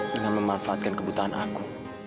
dengan memanfaatkan kebutuhan aku